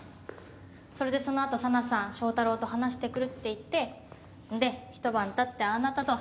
それでそのあと紗奈さん正太郎と話してくるって言ってんでひと晩経ってああなったと。